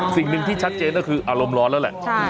สิ่งหนึ่งที่ชัดเจนก็คืออารมณ์ร้อนแล้วแหละ